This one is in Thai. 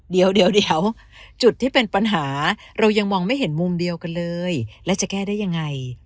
เดี๋ยวจุดที่เป็นปัญหาเรายังมองไม่เห็นมุมเดียวกันเลยและจะแก้ได้ยังไง